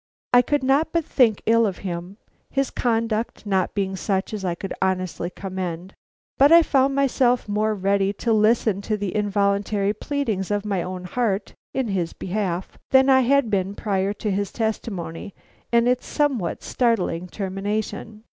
I could not but think ill of him, his conduct not being such as I could honestly commend. But I found myself more ready to listen to the involuntary pleadings of my own heart in his behalf than I had been prior to his testimony and its somewhat startling termination.